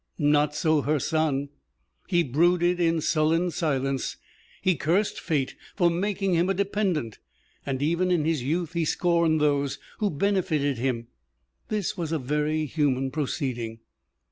Not so her son. He brooded in sullen silence; he cursed Fate for making him a dependent, and even in his youth he scorned those who benefited him. This was a very human proceeding.